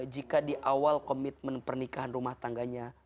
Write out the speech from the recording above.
jika di awal komitmen pernikahan rumah tangganya